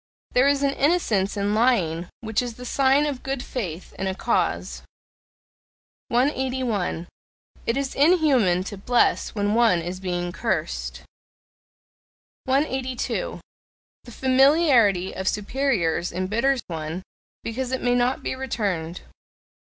There is an innocence in lying which is the sign of good faith in a cause. 181. It is inhuman to bless when one is being cursed. 182. The familiarity of superiors embitters one, because it may not be returned.